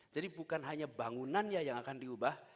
jadi bukan hanya bangunannya yang akan diubah